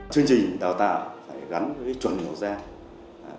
chương trình đào tạo phải gắn với chuẩn đầu ra